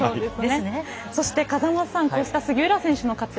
そして風間さんこうした杉浦選手の活躍